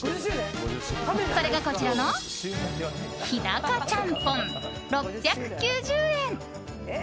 それがこちらの日高ちゃんぽん、６９０円。